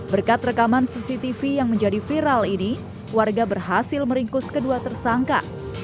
berkat rekaman cctv yang menjadi viral ini warga berhasil meringkus kedua tersangka